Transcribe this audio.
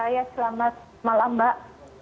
ya selamat malam mbak